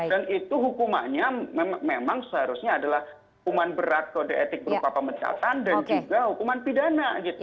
dan itu hukumannya memang seharusnya adalah hukuman berat kode etik berupa pemecahkan dan juga hukuman pidana